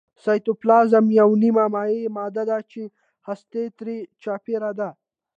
سایتوپلازم یوه نیمه مایع ماده ده چې هسته ترې چاپیره ده